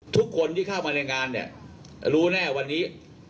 ทุกคนที่เข้ามาในงานเนี่ยรู้แน่วันนี้